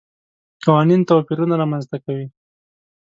قوانین توپیرونه رامنځته کوي.